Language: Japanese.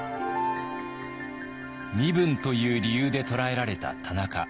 身分という理由で捕らえられた田中。